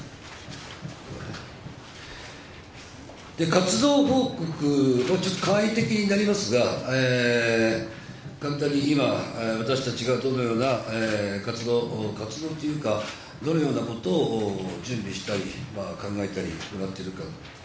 活動報告の、ちょっと簡易的になりますが、簡単に今、私たちがどのような活動、活動っていうか、どのようなことを準備したり、考えたり、行ってるか。